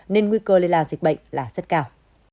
nên nguy cơ liên lạc dịch bệnh là rất cao